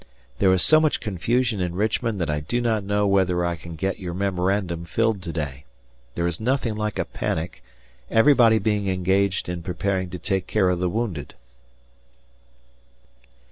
... There is so much confusion in Richmond that I do not know whether I can get your memorandum filled to day. There is nothing like a panic, everybody being engaged in preparing to take care of the wounded.